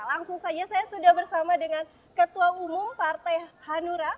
langsung saja saya sudah bersama dengan ketua umum partai hanura